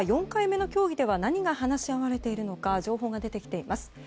４回目の協議では何が話し合われているのか情報が出てきています。